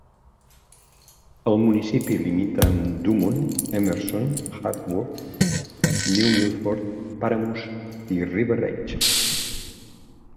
El municipi limita amb Dumont, Emerson, Haworth, New Milford, Paramus i River Edge.